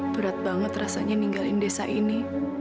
berat banget rasanya ninggalin desa ini